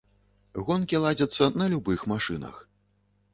Гонкі ладзяцца на любых машынах.